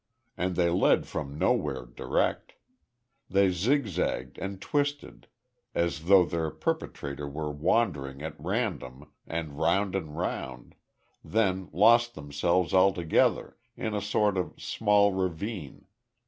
And they led from nowhere direct. They zigzagged and twisted, as though their perpetrator were wandering at random and round and round, then lost themselves altogether in a sort of small ravine.